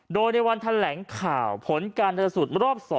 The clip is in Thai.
โดยในวันแทนแหลงข่าวผลการทันสุดรอบ๒